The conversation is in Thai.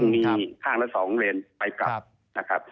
มีข้างละ๒เรนค์ไปกลับ